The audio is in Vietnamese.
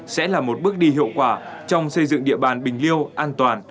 sẽ là một bước đi hiệu quả trong xây dựng địa bàn bình liêu an toàn